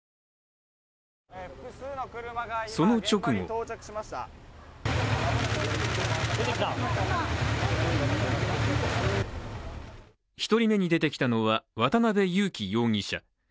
その直後１人目に出てきたのは渡辺優樹容疑者。